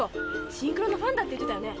シンクロのファンだって言ってたよね。